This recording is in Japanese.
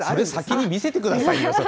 それ、先に見せてくださいよ。